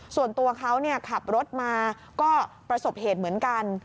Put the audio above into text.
ส่วนตัวเขาขับรถมาก็ประสบเหตุเหมือนกัน